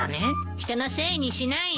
人のせいにしないの。